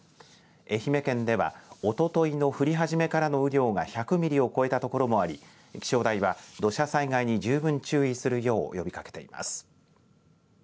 愛媛県ではおとといの降り始めからの雨量が１００ミリを超えたところもあり気象台は土砂災害に十分注意するよう呼びかけています。